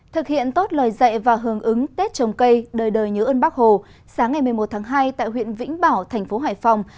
thực hiện tốt lời dạy và hưởng ứng tết trồng cây đời đời nhớ ơn bác hồ sáng ngày một mươi một tháng hai tại huyện vĩnh bảo thành phố hải phòng